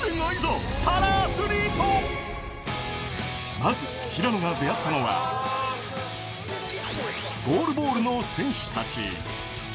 まず、平野が出会ったのは、ゴールボールの選手たち。